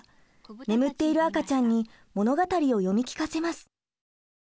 眠っている赤ちゃんに物語を読み聞かせます。